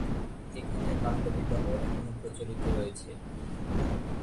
এখানে বাল্যবিবাহ এখনও প্রচলিত রয়েছে।